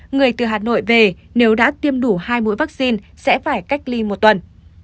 người từ hà nội về nếu đã tiêm đủ hai mũi vaccine sẽ phải cách ly một tuần